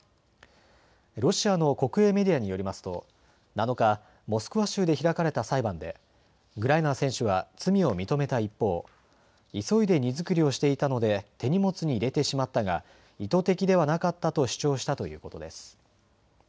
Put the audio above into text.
ロシアの国営メディアによりますと７日、モスクワ州で開かれた裁判でグライナー選手は罪を認めた一方、急いで荷造りをしていたので手荷物に入れてしまったが意図的ではなかったと主張したということです。